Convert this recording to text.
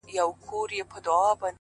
پر کومي لوري حرکت وو حوا څه ډول وه _